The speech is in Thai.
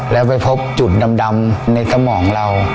แล้วไปพบจุดดำในสมองเรา